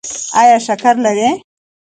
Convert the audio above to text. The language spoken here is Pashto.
ایا شکر لرئ؟